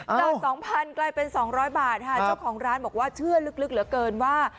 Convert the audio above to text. จาก๒๐๐กลายเป็น๒๐๐บาทค่ะเจ้าของร้านบอกว่าเชื่อลึกเหลือเกินว่า